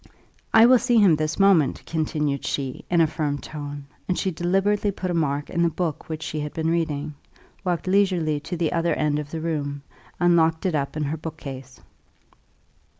I will see him this moment," continued she, in a firm tone; and she deliberately put a mark in the book which she had been reading, walked leisurely to the other end of the room, and locked it up in her book case.